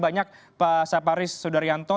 banyak pak saparis sudaryanto